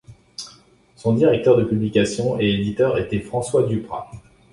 Son directeur de publication et éditeur était François Duprat.